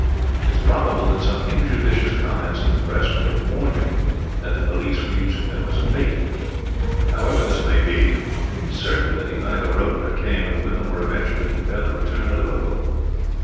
It is probable that some injudicious comments in the Press may have warned him that the police were using them as a bait. However, this may be, it is certain that he neither wrote nor came, and the women were eventually compelled to return to Liverpool.